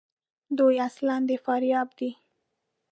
دوی اصلاُ د فاریاب دي.